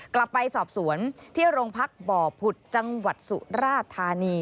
กลับไปสอบสวนที่โรงพักบ่อผุดจังหวัดสุราธานี